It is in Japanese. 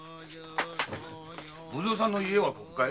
文造さんの家はここかい？